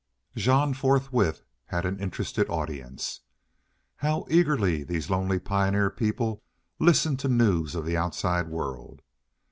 Jean forthwith had an interested audience. How eagerly these lonely pioneer people listened to news of the outside world!